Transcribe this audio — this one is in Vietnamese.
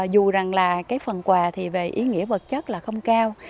dù rằng là cái phần quà thì về ý nghĩa vật chất là không cao